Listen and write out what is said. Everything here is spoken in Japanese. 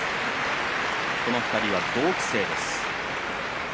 この２人は同期生です。